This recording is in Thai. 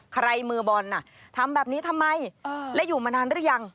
มือบอลน่ะทำแบบนี้ทำไมและอยู่มานานหรือยัง